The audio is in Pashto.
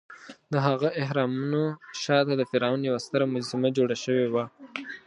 دهغه اهرامونو شاته د فرعون یوه ستره مجسمه جوړه شوې وه.